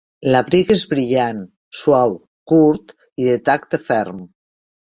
L'abric és brillant, suau, curt i de tacte ferm.